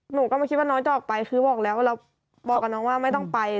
หนูก็ไม่คิดว่าน้องจะออกไปคือบอกแล้วบอกกับน้องว่าไม่ต้องไป